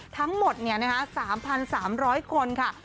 ทั้งหมดเนี่ยนะคะ๓๓๐๐คนค่ะ